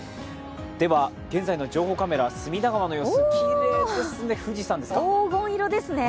では、現在の情報カメラ、隅田川の様子、きれいですね。